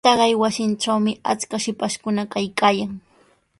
Taqay wasitrawmi achkaq shipashkuna kaykaayan.